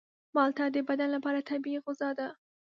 مالټه د بدن لپاره طبیعي غذا ده.